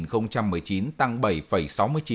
so với cùng kỳ năm trước